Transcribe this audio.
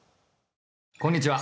こんにちは。